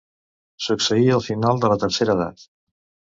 Succeí al final de la Tercera Edat.